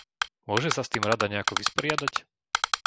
Môže sa s tým Rada nejako vysporiadať?